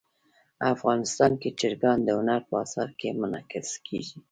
افغانستان کې چرګان د هنر په اثار کې منعکس کېږي.